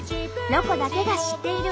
「ロコだけが知っている」。